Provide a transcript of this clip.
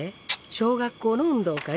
小学校の運動会？